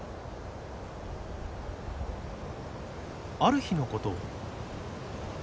ある日のこと。